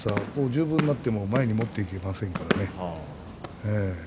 十分になっても前に持っていけませんからね。